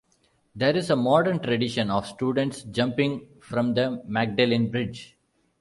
There is a modern tradition of students jumping from Magdalen Bridge.